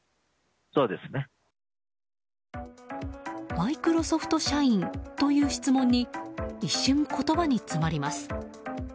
マイクロソフト社員という質問に一瞬、言葉に詰まります。